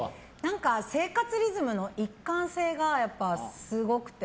生活リズムの一貫性がすごくて。